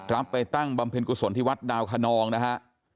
ไปตั้งบำเพ็ญกุศลที่วัดดาวคนองนะฮะ